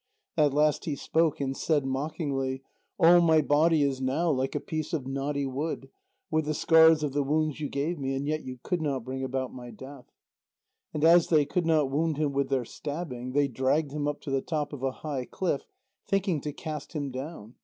At last he spoke, and said mockingly: "All my body is now like a piece of knotty wood, with the scars of the wounds you gave me, and yet you could not bring about my death." And as they could not wound him with their stabbing, they dragged him up to the top of a high cliff, thinking to cast him down.